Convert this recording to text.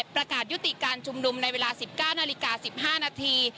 ประกาศยุติการชุมนุมในเวลา๑๙นาฬิกา๑๕นาที